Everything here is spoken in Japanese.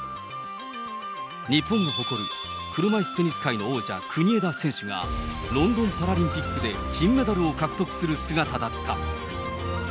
日本が誇る車いすテニス界の王者、国枝選手が、ロンドンパラリンピックで金メダルを獲得する姿だった。